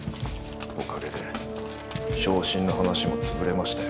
おかげで昇進の話も潰れましたよ。